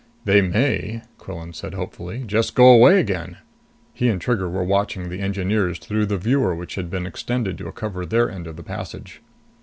"They may," Quillan said hopefully, "just go away again." He and Trigger were watching the engineers through the viewer which had been extended to cover their end of the passage.